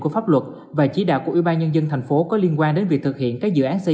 của pháp luật và chỉ đạo của ủy ban nhân dân thành phố có liên quan đến việc thực hiện các dự án xây